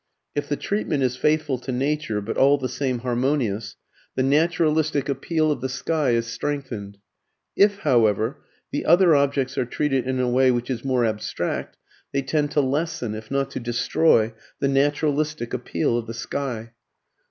If the treatment is faithful to nature, but all the same harmonious, the "naturalistic" appeal of the sky is strengthened. If, however, the other objects are treated in a way which is more abstract, they tend to lessen, if not to destroy, the naturalistic appeal of the sky.